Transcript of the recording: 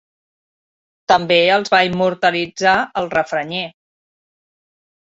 També els va immortalitzar el refranyer.